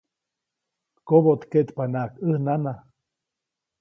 Koboʼtkeʼtpanaʼajk ʼäj nana.